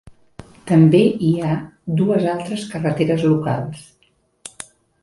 També hi ha dues altres carreteres locals.